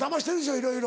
いろいろ。